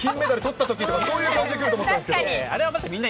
てっきり金メダルとったときとかそういう感じでいくのかと思ったんですけど。